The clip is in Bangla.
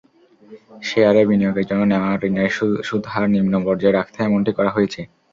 শেয়ারে বিনিয়োগের জন্য নেওয়া ঋণের সুদহার নিম্ন পর্যায়ে রাখতে এমনটি করা হয়েছে।